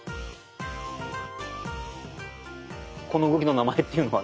この動きの名前っていうのは？